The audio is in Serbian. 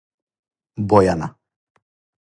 Бојана